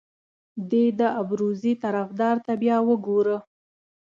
دې د ابروزي طرفدار ته بیا وګوره.